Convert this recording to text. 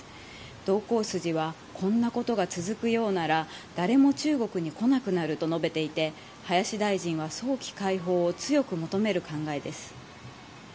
同行筋はこんなことが続くようなら誰も中国に来なくなると述べていて林大臣は早期解放を強く求める考えです。